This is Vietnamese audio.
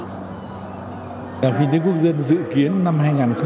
trường đại học kinh tế quốc dân dự kiến năm hai nghìn một mươi chín